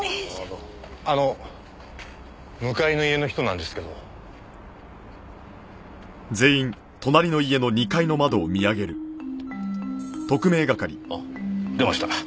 あの向かいの家の人なんですけど。出ました。